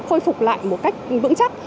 khôi phục lại một cách vững chắc